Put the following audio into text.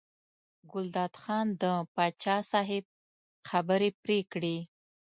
ګلداد خان د پاچا صاحب خبرې پرې کړې.